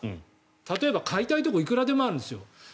例えば買いたいところはいくらでもあるんですよ。